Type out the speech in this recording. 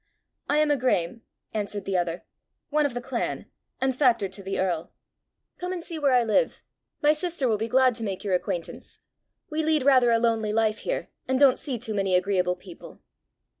"I am a Graeme," answered the other, "one of the clan, and factor to the earl. Come and see where I live. My sister will be glad to make your acquaintance. We lead rather a lonely life here, and don't see too many agreeable people."